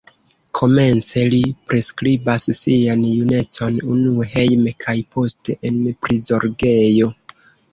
Komence li priskribas sian junecon, unue hejme kaj poste en prizorgejo.